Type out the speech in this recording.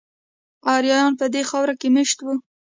آریایان په دې خاوره کې میشت وو